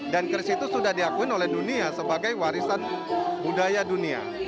dan keris itu sudah diakuin oleh dunia sebagai warisan budaya dunia